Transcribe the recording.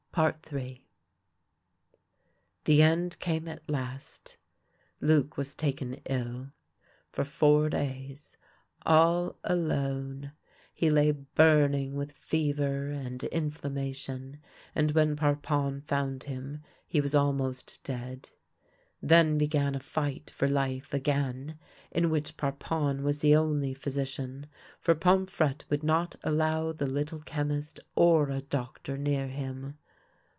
in The end came at last. Luc was taken ill. For four days, all alone, he lay burning with fever and inflamma tion, and when Parpon found him he was almost dead. Then began a fight for life again, in which Parpon was the only physician ; for Pomfrette would not allow the Little Chemist or a doctor near him.